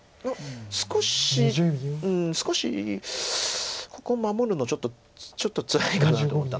少しうん少しここ守るのちょっとつらいかなと思った。